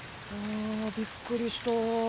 あびっくりした。